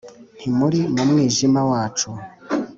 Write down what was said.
ntimuri mu mwijima wacu